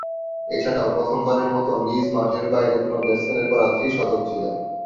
এছাড়াও প্রথমবারের মতো নিজ মাঠের বাইরে কোন ব্যাটসম্যানের করা ত্রি-শতক ছিল।